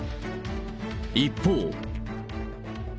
一方。